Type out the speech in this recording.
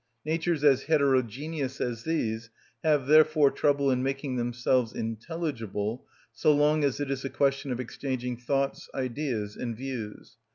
Natures as heterogeneous as this have therefore trouble in making themselves intelligible so long as it is a question of exchanging thoughts, ideas, and views.